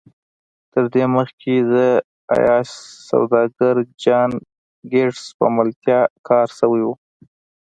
تر دې مخکې د عياش سوداګر جان ګيټس په ملتيا کار شوی و.